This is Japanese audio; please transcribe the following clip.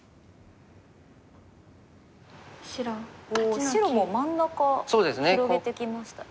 おお白も真ん中広げてきました。